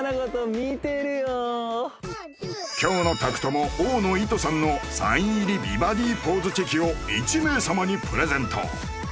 今日の宅トモ大野いとさんのサイン入り美バディポーズチェキを１名様にプレゼント